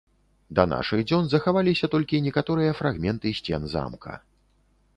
Да нашых дзён захаваліся толькі некаторыя фрагменты сцен замка.